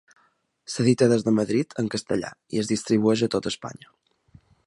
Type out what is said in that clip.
S'edita des de Madrid, en castellà, i es distribueix a tota Espanya.